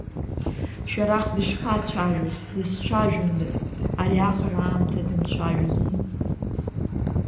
Шәарах дышԥацәажәоз, дызцәажәондаз, ари аҟара аамҭа дымцәажәози?